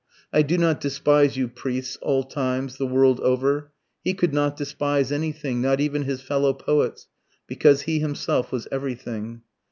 I do not despise you priests, all times, the world over.... He could not despise anything, not even his fellow poets, because he himself was everything.